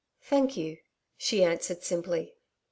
'Thank you,' she answered simply.